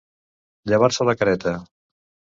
Llevar-se la careta.